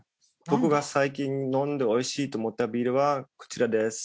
僕が最近飲んで美味しいと思ったビールはこちらです。